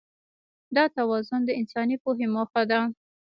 دا توازن د انساني پوهې موخه ده.